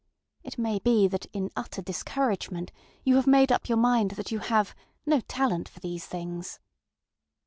ŌĆØ It may be that, in utter discouragement, you have made up your mind that you have ŌĆ£no talent for these things.